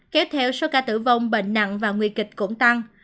kéo theo số ca tử vong bệnh nặng và nguy kịch cũng tăng